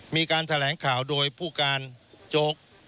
มีการแถลงข่าวโดยผู้การโจ๊ก